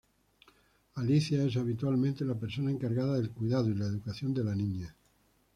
Alicia es, habitualmente, la persona encargada del cuidado y la educación de la niña.